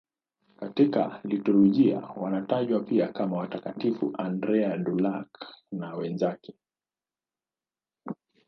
Katika liturujia wanatajwa pia kama Watakatifu Andrea Dũng-Lạc na wenzake.